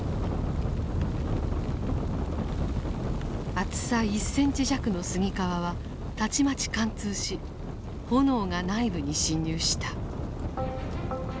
厚さ１センチ弱の杉皮はたちまち貫通し炎が内部に侵入した。